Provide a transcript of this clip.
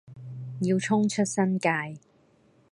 要衝出新界